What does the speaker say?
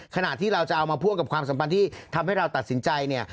ขณะที่เราจะเอามาพ่วงกับความสัมพันธ์ที่ทำให้เราตัดสินใจเนี่ย